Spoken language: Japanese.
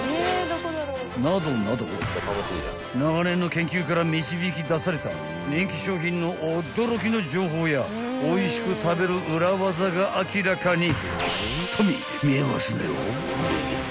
［などなど長年の研究から導き出された人気商品の驚きの情報やおいしく食べる裏技が明らかに］